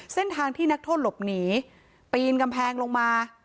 เส้นทางที่นักโทษหลบหนีปีนกำแพงลงมา